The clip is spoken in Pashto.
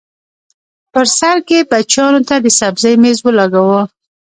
بر سر کې بچیانو ته د سبزۍ مېز ولګاوه